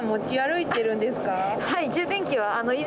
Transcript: はい。